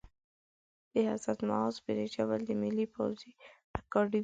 د حضرت معاذ بن جبل د ملي پوځي اکاډمۍ